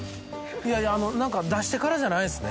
いやいやあの何か出してからじゃないんすね？